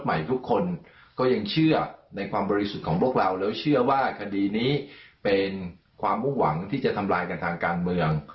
เข้าที่หัวข้างจัดส่งแบบนี้เป็นความห่วงหวังที่จะทำลายกันทางการเมือง